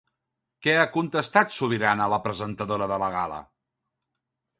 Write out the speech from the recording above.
Què ha contestat Subirana a la presentadora de la gala?